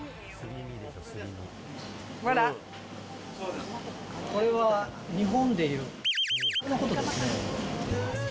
確か、これは日本でいう、×××のことですね。